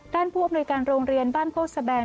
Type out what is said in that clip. ผู้อำนวยการโรงเรียนบ้านโคสแบน